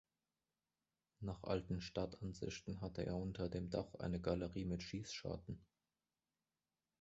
Nach alten Stadtansichten hatte er unter dem Dach eine Galerie mit Schießscharten.